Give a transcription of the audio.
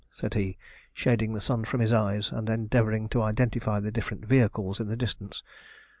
said he, shading the sun from his eyes, and endeavouring to identify the different vehicles in the distance.